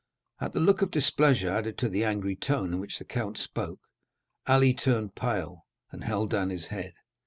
At the look of displeasure, added to the angry tone in which the count spoke, Ali turned pale and held down his head.